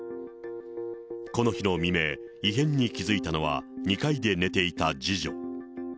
この日の未明、異変に気付いたのは２階で寝ていた次女。